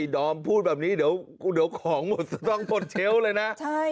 ดอมพูดแบบนี้เดี๋ยวของหมดจะต้องหมดเชลล์เลยนะ